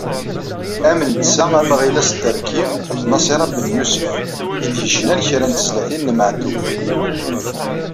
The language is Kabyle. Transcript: Am netta am Ɣilas Terki d Nasira Benyusef, i d-yecnan kra n tezlatin n Meɛtub.